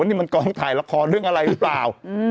นี่มันกองถ่ายละครเรื่องอะไรหรือเปล่า